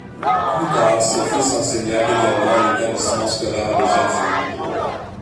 Plus tard, ses fils enseignèrent également à l'établissement scolaire de jardinage.